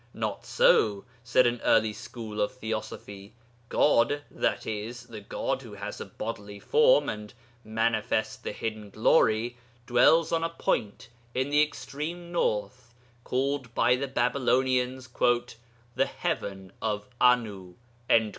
Not so, said an early school of Theosophy, God, i.e. the God who has a bodily form and manifests the hidden glory, dwells on a point in the extreme north, called by the Babylonians 'the heaven of Anu.'